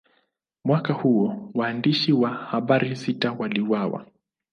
Mwaka huo, waandishi wa habari sita waliuawa.